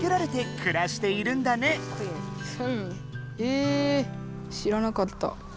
え知らなかった。